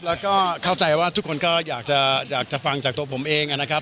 แล้วก็เข้าใจว่าทุกคนก็อยากจะฟังจากตัวผมเองนะครับ